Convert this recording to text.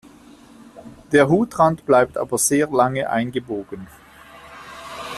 Der Hutrand bleibt aber sehr lange eingebogen.